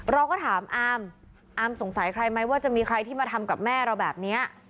เราก็ถามอามอาร์มสงสัยใครไหมว่าจะมีใครที่มาทำกับแม่เราแบบนี้